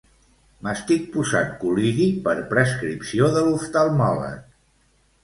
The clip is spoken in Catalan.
M'estic posant col·liri per prescripció de l'oftalmòleg.